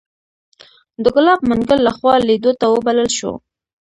د ګلاب منګل لخوا لیدو ته وبلل شوو.